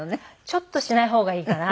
ちょっとしない方がいいかな。